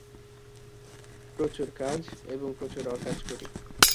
প্রচুর কাজ এবং প্রচুর অকাজ করি।